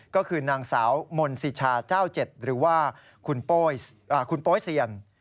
ก็คือนางสาวมนศิชาเจ้าเจ็ดหรือว่าคุณโป๊ยเซียน